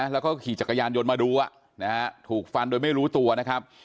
แล้วก็ขี่จักรยานยนต์มาดูถูกฟันโดยไม่รู้ตัวนะครับ